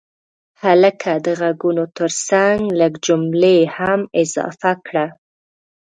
هلکه د غږونو ترڅنګ لږ جملې هم اضافه کړه.